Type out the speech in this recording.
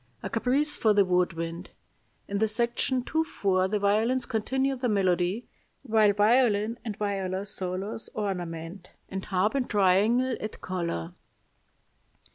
A caprice for the wood wind. In the section 2 4 the violins continue the melody, while violin and viola solos ornament, and harp and triangle add color.